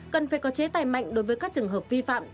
cần phải có chế tài mạnh đối với các trường hợp vi phạm